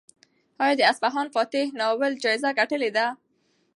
ایا د اصفهان فاتح ناول جایزه ګټلې ده؟